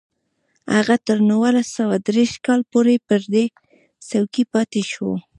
هغه تر نولس سوه دېرش کال پورې پر دې څوکۍ پاتې شو